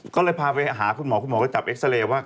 ก็เลยพาไปหาคุณหมอคุณหมอก็จับเอ็กซาเรย์ว่า